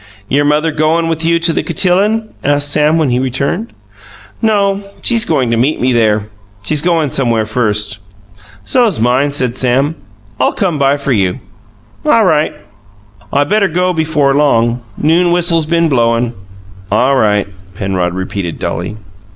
"Your mother goin' with you to the cotillon?" asked Sam when he returned. "No. She's goin' to meet me there. She's goin' somewhere first." "So's mine," said Sam. "I'll come by for you." "All right." "I better go before long. Noon whistles been blowin'." "All right," Penrod repeated dully.